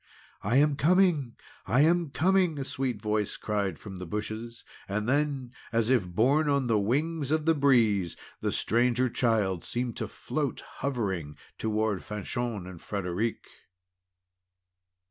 "I am coming! I am coming!" a sweet voice cried from the bushes. And then, as if borne on the wings of the breeze, the Stranger Child seemed to float hovering toward Fanchon and Frederic.